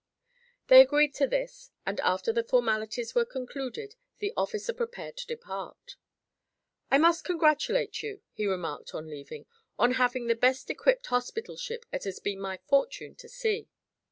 They agreed to this and after the formalities were concluded the officer prepared to depart. "I must congratulate you," he remarked on leaving, "on having the best equipped hospital ship it has been my fortune to see.